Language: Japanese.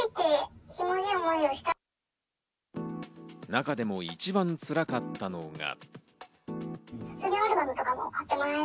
中でも一番辛かったのが。